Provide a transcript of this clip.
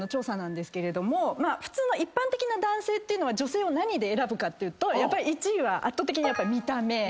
普通の一般的な男性っていうのは女性を何で選ぶかっていうとやっぱり１位は圧倒的に見た目。